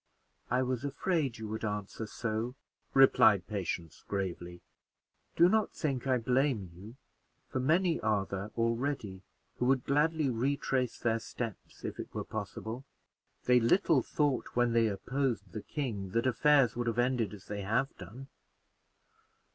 "I was afraid that you would answer so," replied Patience, gravely: "do not think I blame you; for many are there already who would gladly retrace their steps if it were possible. They little thought, when they opposed the king, that affairs would have ended as they have done.